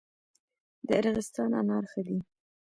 د ارغستان انار ښه دي